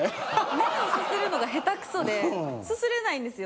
麺をすするのが下手くそですすれないんですよ。